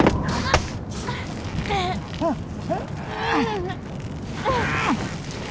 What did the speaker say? あっ！